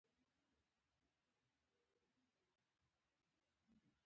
د مستو سره د تودې ډوډۍ مزه.